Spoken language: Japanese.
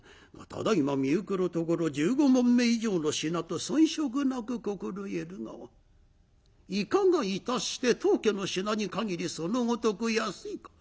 ただいま見ゆくるところ１５匁以上の品と遜色なく心得るがいかがいたして当家の品にかぎりそのごとく安いか？」。